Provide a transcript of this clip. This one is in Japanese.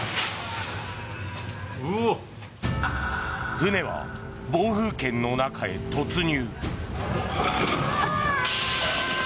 船は暴風圏の中へ突入。